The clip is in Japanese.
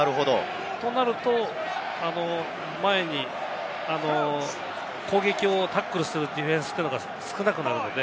となると、前に攻撃をタックルするディフェンスというのが少なくなるので、